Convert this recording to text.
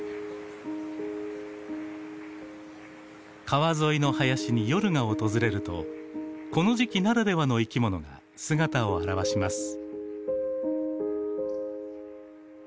川沿いの林に夜が訪れるとこの時期ならではの生きものが姿を現します。